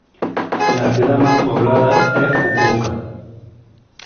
La ciudad más poblada es "Fukuoka".